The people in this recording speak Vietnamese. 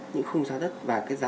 những khung giá đất và cái giá đất